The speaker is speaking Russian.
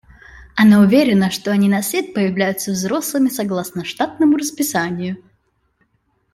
Она уверена, что они на свет появляются взрослыми согласно штатному расписанию.